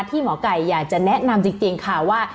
หมอไก่อยากจะแนะนำจริงค่ะว่า